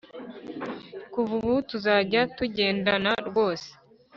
kuva ubu tuzajya tugendana rwose